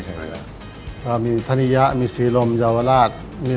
จะต้องขาย๑๐ชามขึ้นไป